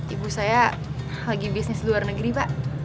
ibu saya lagi bisnis di luar negeri pak